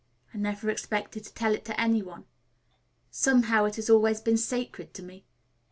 I never expected to tell it to any one. Somehow it has always been sacred to me.